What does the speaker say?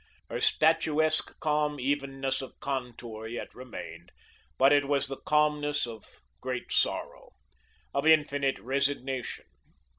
Her statuesque calm evenness of contour yet remained, but it was the calmness of great sorrow, of infinite resignation.